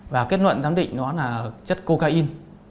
và kết luận giám định nó là chất coca in